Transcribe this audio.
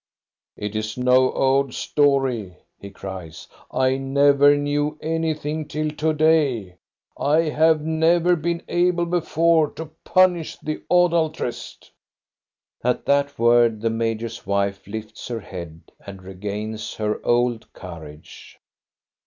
" It is no old story, " he cries. " I never knew anything till to day. I have never been able before to punish the adulteress." At that word the major's wife lifts her head and regains her old courage.